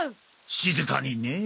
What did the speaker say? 静かにねえ。